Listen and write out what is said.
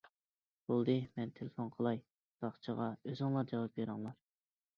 بولدى مەن تېلېفون قىلاي، ساقچىغا ئۆزۈڭلار جاۋاب بېرىڭلار!